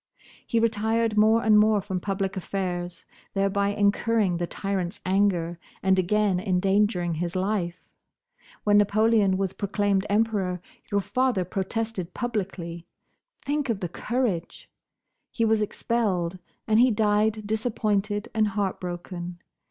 He retired more and more from public affairs, thereby incurring the tyrant's anger and again endangering his life. When Napoleon was proclaimed Emperor your father protested publicly—think of the courage! He was expelled, and he died disappointed and heartbroken.